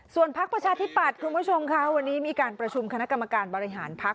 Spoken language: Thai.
พักประชาธิปัตย์คุณผู้ชมค่ะวันนี้มีการประชุมคณะกรรมการบริหารพัก